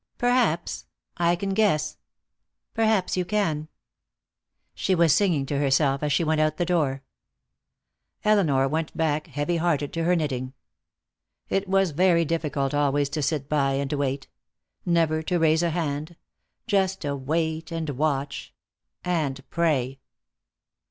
"Perhaps. I can guess." "Perhaps you can." She was singing to herself as she went out the door. Elinor went back heavy hearted to her knitting. It was very difficult always to sit by and wait. Never to raise a hand. Just to wait and watch. And pray.